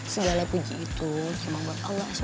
segala puji itu cuma buat allah soet